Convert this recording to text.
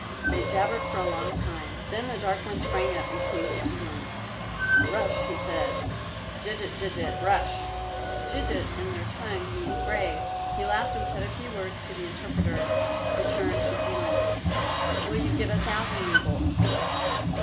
They jabbered for a long time, then the dark one sprang up and came to Jilin. "Russ," he said, "djigit, djigit Russ!" (Djigit in their tongue means brave.) He laughed and said a few words to the interpreter, who turned to Jilin. "Will you give a thousand roubles?"